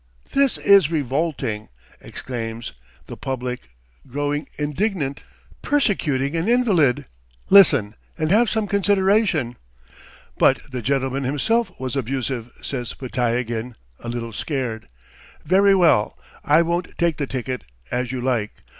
"This is revolting!" exclaims "the public," growing indignant. "Persecuting an invalid! Listen, and have some consideration!" "But the gentleman himself was abusive!" says Podtyagin, a little scared. "Very well. ... I won't take the ticket ... as you like